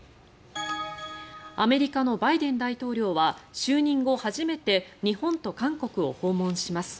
アメリカのバイデン大統領は就任後初めて日本と韓国を訪問します。